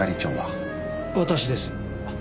私です。